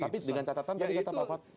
tapi dengan catatan tadi kata pak fud